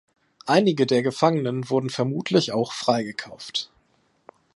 Einige der Gefangenen wurden vermutlich auch freigekauft.